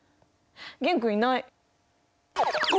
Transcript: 玄君いない。